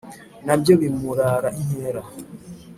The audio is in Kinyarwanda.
Na byo bimurara inkera;